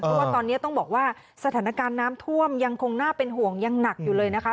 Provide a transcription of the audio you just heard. เพราะว่าตอนนี้ต้องบอกว่าสถานการณ์น้ำท่วมยังคงน่าเป็นห่วงยังหนักอยู่เลยนะคะ